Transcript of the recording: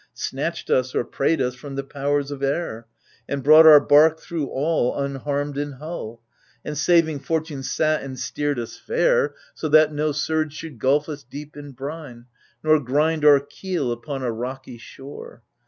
Snatched us or prayed us from the powers of air, And brought our bark thro' all, unharmed in hull : And saving Fortune sat and steered us fair, AGAMEMNON 31 So that no surge should gulf us deep in brine,^ Nor grind our keel upon a rocky shore.